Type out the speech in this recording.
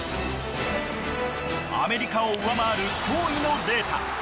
アメリカを上回る驚異のデータ。